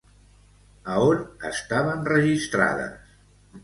A on estaven registrades?